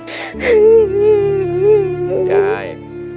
ได้